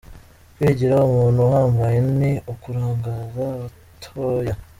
Kwigira umuntu uhambaye, ni ukurangaza abatoya.